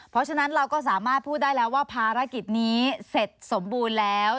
เพราะฉะนั้นเราก็สามารถพูดได้แล้วว่าภารกิจนี้เสร็จสมบูรณ์แล้ว